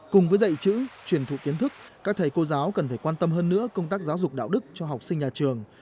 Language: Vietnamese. cùng với dạy chữ truyền thụ kiến thức các thầy cô giáo cần phải quan tâm hơn nữa công tác giáo dục đạo đức cho học sinh nhà trường